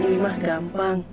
ini mah gampang